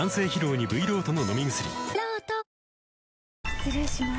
失礼します。